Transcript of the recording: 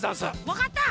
わかった！